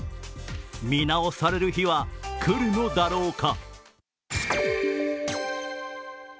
見直される日は来るのだろうか。